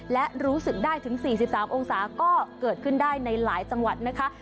และรู้สึกได้ถึง๔๓องศาก็เกิดขึ้นได้ในหลายจังหวัดนะคะ